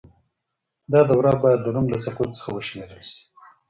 دا دوره بايد د روم له سقوط څخه وشمېرل سي.